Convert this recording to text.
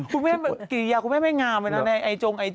คุณแม่แกลีอ่ะคุณแม่ไม่งามไปนั่งไอจงไอจี